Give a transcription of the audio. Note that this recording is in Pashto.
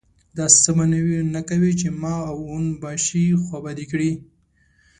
داسې څه به نه کوې چې ما او اون باشي خوابدي کړي.